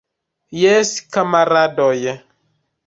Jes, kamaradoj!